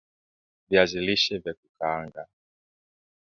Viazi lishe vya kukaanga